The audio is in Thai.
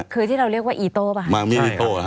คือที่เราเรียกว่าอีโต้ป่ะคะ